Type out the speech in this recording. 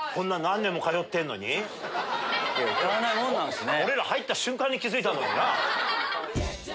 知らないもんなんすね。